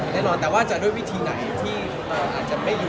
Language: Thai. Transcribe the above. แล้วถังนั้นก็จะมีเป็นส่วนหนึ่งของโชว์ประมาณนั้นเหมือนกัน